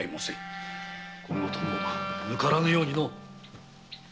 今後ともぬからぬようにの。